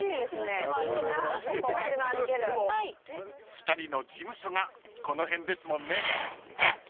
［２人の事務所がこの辺ですもんね］